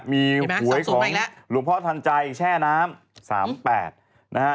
มีหวยของหลวงพ่อทันใจแช่น้ำ๓๘นะฮะ